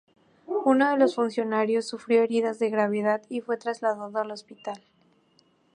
Uno de los funcionarios sufrió heridas de gravedad y fue trasladado al hospital.